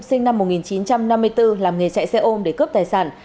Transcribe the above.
sinh năm một nghìn chín trăm năm mươi bốn làm nghề chạy xe ôm để cướp tài sản